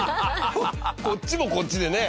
こっちもこっちでね。